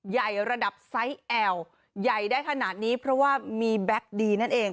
ใหญ่ระดับไซส์แอลใหญ่ได้ขนาดนี้เพราะว่ามีแบ็คดีนั่นเอง